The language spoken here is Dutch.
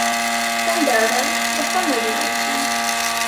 Ten derde: de genderdimensie.